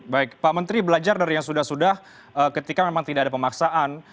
baik pak menteri belajar dari yang sudah sudah ketika memang tidak ada pemaksaan